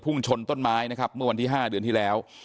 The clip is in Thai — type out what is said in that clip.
ชนต้นไม้นะครับเมื่อวันที่๕เดือนที่แล้ว